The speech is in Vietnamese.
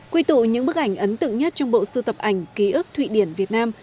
quy tụ những bức ảnh ấn tượng nhất trong bộ sưu tập ảnh ký ức thụy điển việt nam